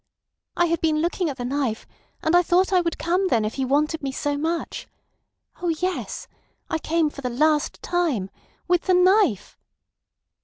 I had been looking at the knife, and I thought I would come then if he wanted me so much. Oh yes! I came—for the last time. ... With the knife."